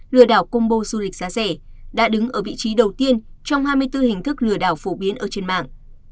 lừa đảo combo du lịch giá rẻ đã đứng ở vị trí đầu tiên trong hai mươi bốn hình thức lừa đảo phổ biến ở trên mạng